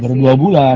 baru dua bulan